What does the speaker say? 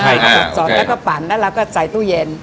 ใช่ครับจอดแล้วก็ปั่นแล้วก็ใส่ตู้เย็น